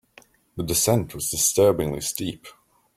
The descent was disturbingly steep.